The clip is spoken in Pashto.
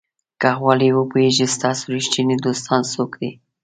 که غواړئ وپوهیږئ ستاسو ریښتیني دوستان څوک دي.